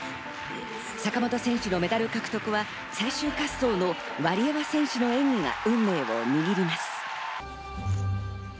坂本選手のメダル獲得は最終滑走のワリエワ選手の演技が運命を握ります。